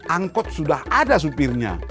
angkot sudah ada supirnya